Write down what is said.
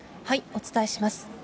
お伝えします。